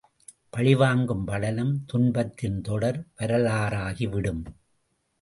பழிவாங்கும் படலம் துன்பத்தின் தொடர் வரலாறாகிவிடும்.